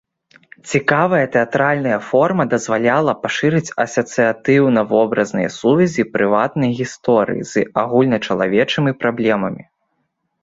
Цікавая тэатральная форма дазваляла пашырыць асацыятыўна-вобразныя сувязі прыватнай гісторыі з агульначалавечымі праблемамі.